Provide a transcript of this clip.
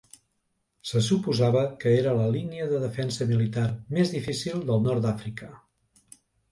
Se suposava que era la línia de defensa militar més difícil del nord d'Àfrica.